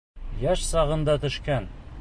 Йәш сағында төшкән.